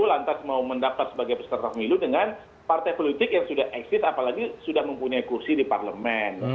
lantas mau mendapat sebagai peserta pemilu dengan partai politik yang sudah eksis apalagi sudah mempunyai kursi di parlemen